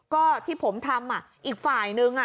ก็ที่ผมทำอีกฝ่ายนึง